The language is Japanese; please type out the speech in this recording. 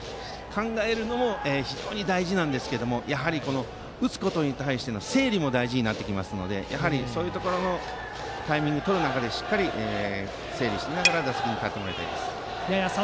考えるのも非常に大事ですが打つことに対しての整理も大事になってきますのでそういうところのタイミングをとる中でしっかりと整理しながら打席に立ってもらいたいです。